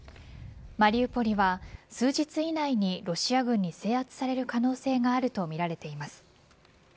マリウポリは数日以内にロシア軍に制圧される可能性があるとみられています。